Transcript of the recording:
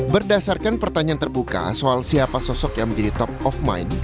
berdasarkan pertanyaan terbuka soal siapa sosok yang menjadi top of mind